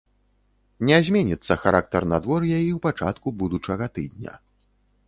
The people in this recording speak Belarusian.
Не зменіцца характар надвор'я і ў пачатку будучага тыдня.